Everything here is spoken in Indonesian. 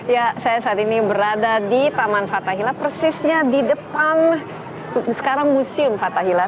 ya saya saat ini berada di taman fathahila persisnya di depan sekarang museum fathahila